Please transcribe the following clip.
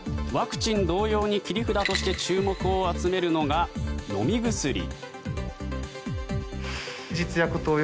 ワクチン同様に切り札として注目を集めるのが飲み薬。